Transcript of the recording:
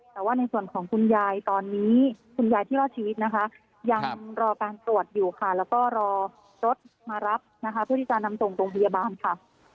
แต่ว่าในส่วนของคุณยายตอนนี้คุณยายที่รอดชีวิตนะคะยังรอการตรวจอยู่ค่ะแล้วก็รอรถมารับนะคะเพื่อที่จะนำส่งโรงพยาบาลค่ะ